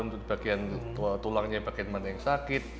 untuk bagian tulangnya bagaimana yang sakit